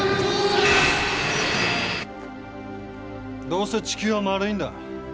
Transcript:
どうせ地球は丸いんだ。